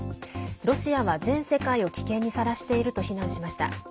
ロシアは全世界を危険にさらしていると非難しました。